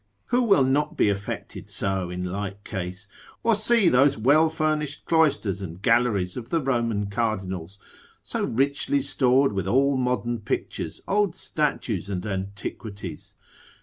Who will not be affected so in like case, or see those well furnished cloisters and galleries of the Roman cardinals, so richly stored with all modern pictures, old statues and antiquities?